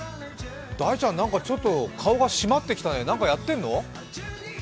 大ちゃん、ちょっと顔がしまってきたね、何かやってんの？